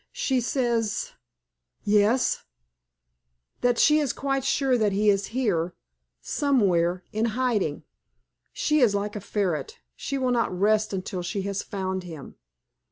She says " "Yes " "That she is quite sure that he is here somewhere in hiding. She is like a ferret, she will not rest until she has found him."